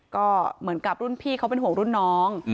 ก็เหมือนกับรุ่นพี่เขาเป็นห่วงรุ่นน้อง